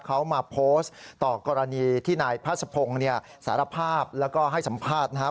เขามาโพสต์ต่อกรณีที่นายพระสะพงศ์เนี่ยสารภาพแล้วก็ให้สัมภาษณ์นะครับ